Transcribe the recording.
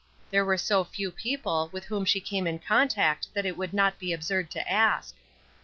There were so few people with whom she came in contact that it would not be absurd to ask.